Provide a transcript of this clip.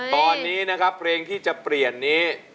ตอนนี้นะครับเพลงที่จะเปลี่ยนนี้